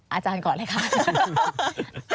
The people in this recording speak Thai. อาจารย์ก่อนเลยค่ะ